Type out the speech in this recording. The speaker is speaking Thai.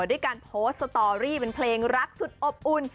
ด้วยการโพสต์สตอรี่เป็นเพลงรักสุดอบอุ่น